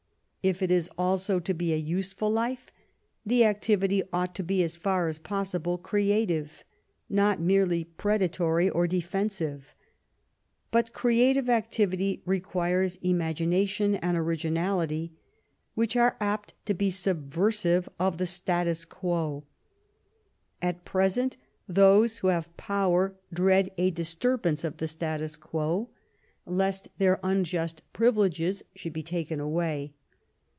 If it is also to be a useful life, the activity ought to be as far as possible creative, not merely predatory or defensive. But creative activity requires imagination and originality, which are apt to be subversive of the status quo. At present, those who have power dread a disturbance of the status quo, lest their unjust privileges should be taken away.